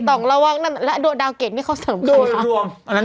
ต่องระวังดาวเกรดนี่เขาเสริมใครคะ